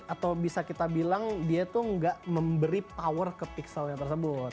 atau bisa kita bilang dia tuh gak memberi power ke pixelnya tersebut